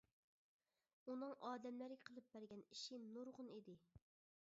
ئۇنىڭ ئادەملەرگە قىلىپ بەرگەن ئىشى نۇرغۇن ئىدى.